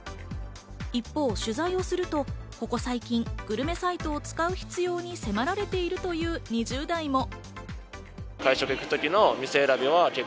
一方、取材をすると、ここ最近グルメサイトを使う必要に迫られているという２０代も。